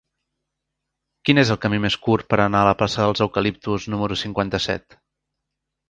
Quin és el camí més curt per anar a la plaça dels Eucaliptus número cinquanta-set?